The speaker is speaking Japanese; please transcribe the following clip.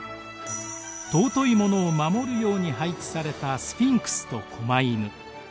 尊いものを守るように配置されたスフィンクスと狛犬。